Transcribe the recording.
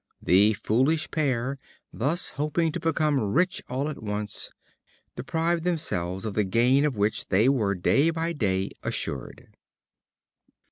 The foolish pair, thus hoping to become rich all at once, deprived themselves of the gain of which they were day by day assured.